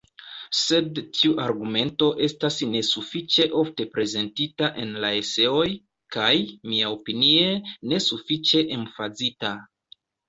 Sed tiu argumento estas nesufiĉe ofte prezentita en la eseoj, kaj, miaopinie, nesufiĉe emfazita.